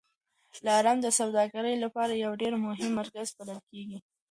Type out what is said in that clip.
دلارام د سوداګرۍ لپاره یو ډېر مهم مرکز بلل کېږي.